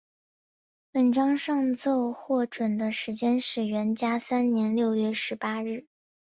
本章上奏获准的时间是元嘉三年六月十八日。